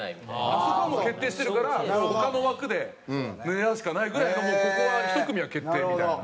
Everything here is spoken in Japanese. あそこはもう決定してるから他の枠で狙うしかないぐらいのもうここは１組は決定みたいな。